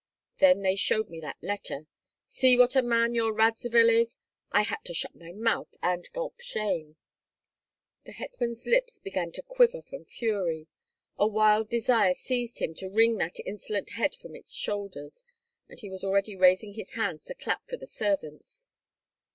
Then they showed me that letter: 'See what a man your Radzivill is!' I had to shut my mouth and gulp shame." The hetman's lips began to quiver from fury. A wild desire seized him to wring that insolent head from its shoulders, and he was already raising his hands to clap for the servants.